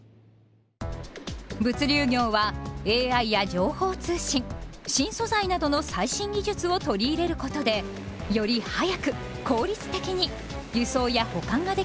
物流業はＡＩや情報通信新素材などの最新技術を取り入れることでより速く効率的に輸送や保管ができるよう進化しています。